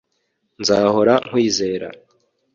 Nzahora nkwizera